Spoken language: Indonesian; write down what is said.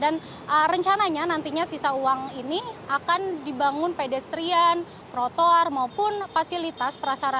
dan rencananya nantinya sisa uang ini akan dibangun pedestrian trotar maupun fasilitas